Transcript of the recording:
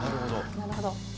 なるほど。